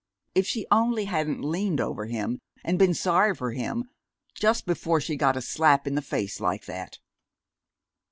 If she only hadn't leaned over him and been sorry for him, just before she got a slap in the face like that!